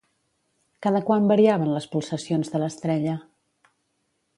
Cada quant variaven les pulsacions de l'estrella?